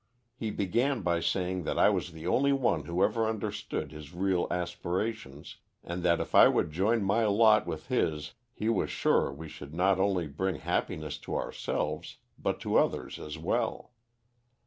He began by saying that I was the only one who ever understood his real aspirations, and that if I would join my lot with his he was sure we should not only bring happiness to ourselves, but to others as well.